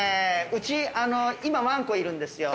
うち今ワンコいるんですよ。